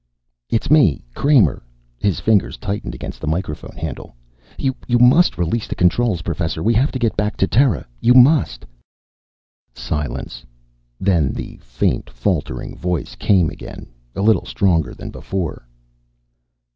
"It's me, Kramer." His fingers tightened against the microphone handle. "You must release the controls, Professor. We have to get back to Terra. You must." Silence. Then the faint, faltering voice came again, a little stronger than before.